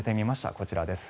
こちらです。